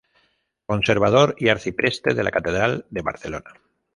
Conservador y arcipreste de la Catedral de Barcelona.